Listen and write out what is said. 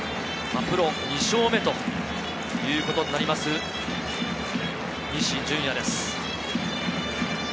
プロ２勝目ということになります、西純矢です。